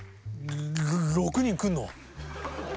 ６人来るの？